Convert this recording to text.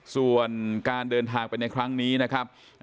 ส่วนการเดินทางไปในครั้งนี้นะครับ